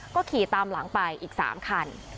ก็ขี่ตามหลังไปอีก๓คัน